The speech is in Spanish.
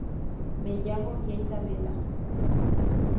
Me llamo tía Isabella.